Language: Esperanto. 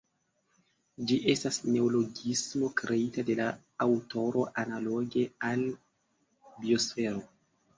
Ĝi estas neologismo kreita de la aŭtoro analoge al "biosfero".